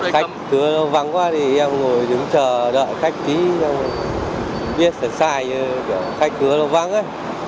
khách hứa lâu vắng quá thì em ngồi đứng chờ đợi khách tí biết sẵn sài như khách hứa lâu vắng ấy